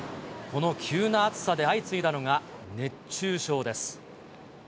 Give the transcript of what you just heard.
この急な暑さで相次いだのが、熱中症です。